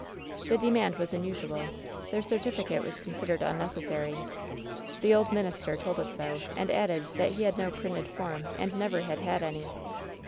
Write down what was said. "The demand was unusual ; the certificate was consid ered unnecessary. The old minister told us so, and added that he had no printed form and never had had any.